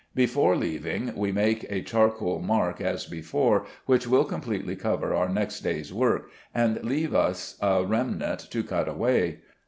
Before leaving, we make a charcoal mark as before, which will completely cover our next day's work and leave us a remnant to cut away.